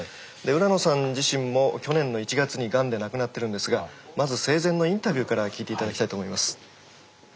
浦野さん自身も去年の１月にガンで亡くなってるんですがまず生前のインタビューから聞いて頂きたいと思います。